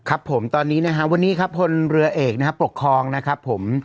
ครับผมตอนนี้นะฮะวันนี้ครับพลเรือเอกนะครับปกครองนะครับผม